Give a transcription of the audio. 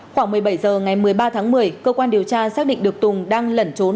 khoảng một mươi bảy h ngày một mươi ba tháng một mươi cơ quan điều tra xác định được tùng đang lẩn trốn